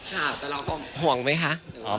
ค่ะแต่เราก็ห่วงไหมคะ